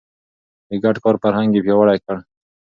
د ګډ کار فرهنګ يې پياوړی کړ.